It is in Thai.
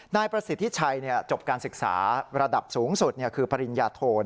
นายประสิทธิชัยจบการศึกษาระดับสูงสุดคือปริญญาโทน